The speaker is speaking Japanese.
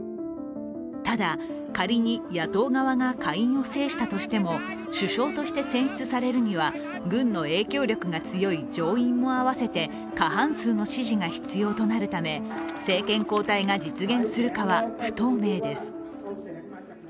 ただ、仮に野党側が下院を制したとしても、首相として選出されるには軍の影響力が強い上院も合わせて過半数の支持が必要となるため政権交代が実現するかは不透明です。